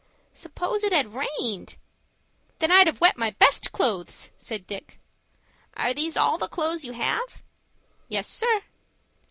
"Suppose it had rained." "Then I'd have wet my best clothes," said Dick. "Are these all the clothes you have?" "Yes, sir."